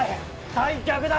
退却だ！